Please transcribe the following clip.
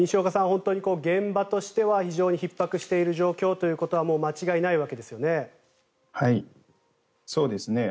本当に現場としては非常にひっ迫している状況ということはそうですね。